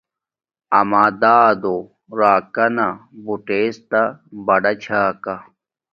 اما دادو راکانا بوتڎتا بڑا چھا کا